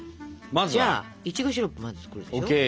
じゃあいちごシロップをまず作るでしょ？ＯＫ。